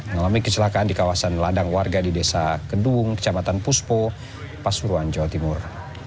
mengalami kecelakaan di kawasan ladang warga di desa kedung kecamatan puspo pasuruan jawa timur